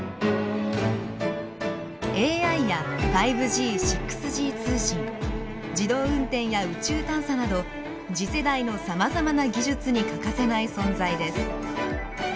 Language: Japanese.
ＡＩや５Ｇ・６Ｇ通信自動運転や宇宙探査など次世代のさまざまな技術に欠かせない存在です。